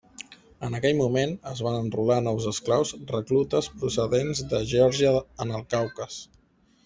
En aquell moment es van enrolar nous esclaus reclutes procedents de Geòrgia en el Caucas.